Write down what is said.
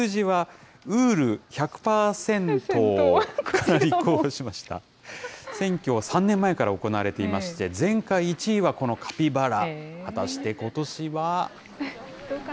選挙は３年前から行われていまして、前回１位はこのカピバラ。